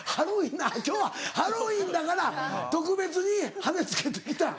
あっ今日はハロウィーンだから特別に羽つけてきた？